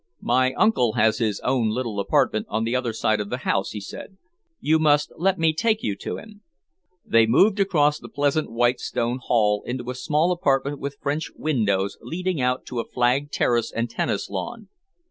"My uncle has his own little apartment on the other side of the house," he said. "You must let me take you to him." They moved across the pleasant white stone hall into a small apartment with French windows leading out to a flagged terrace and tennis lawn.